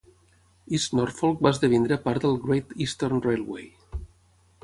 East Norfolk va esdevenir part del Great Eastern Railway.